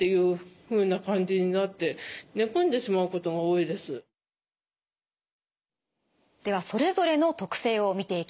いわゆるではそれぞれの特性を見ていきましょう。